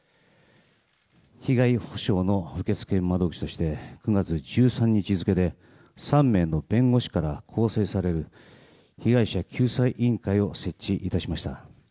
被害補償の受付窓口として９月１３日付で３名の弁護士から構成される被害者救済委員会を設置いたしました。